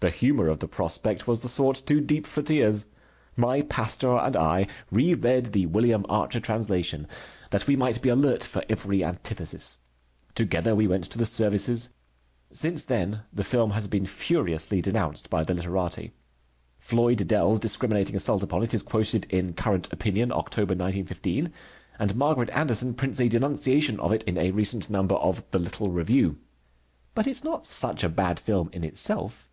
The humor of the prospect was the sort too deep for tears. My pastor and I reread the William Archer translation that we might be alert for every antithesis. Together we went to the services. Since then the film has been furiously denounced by the literati. Floyd Dell's discriminating assault upon it is quoted in Current Opinion, October, 1915, and Margaret Anderson prints a denunciation of it in a recent number of The Little Review. But it is not such a bad film in itself.